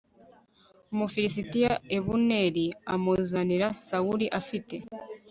umufilisitiya abuneri amuzanira sawuli afite